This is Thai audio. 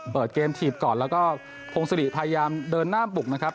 เปิดเกมถีบก่อนแล้วก็พงศิริพยายามเดินหน้าบุกนะครับ